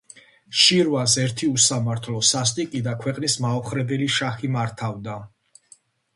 შირვანს ერთი უსამართლო, სასტიკი და ქვეყნის მაოხრებელი შაჰი მართავდა